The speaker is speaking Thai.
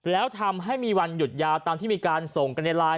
แล้วทำให้มีวันหยุดยาวตามที่มีการส่งกันในไลน์